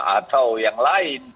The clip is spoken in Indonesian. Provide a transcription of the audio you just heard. atau yang lain